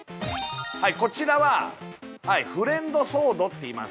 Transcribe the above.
はいこちらはフレンドソードっていいます